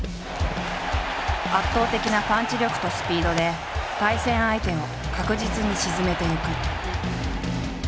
圧倒的なパンチ力とスピードで対戦相手を確実に沈めていく。